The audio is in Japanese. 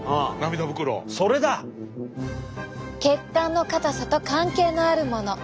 血管の硬さと関係のあるもの！